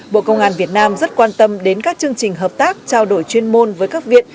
bộ công an việt nam rất quan tâm đến các chương trình hợp tác trao đổi chuyên môn với các viện